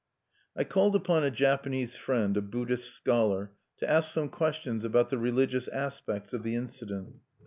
III I called upon a Japanese friend, a Buddhist scholar, to ask some questions about the religious aspects of the incident.